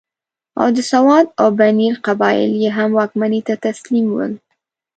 او د سوات او بنیر قبایل یې هم واکمنۍ ته تسلیم ول.